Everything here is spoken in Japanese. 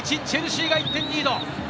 チェルシーが１点リード。